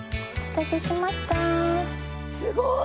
すごーい！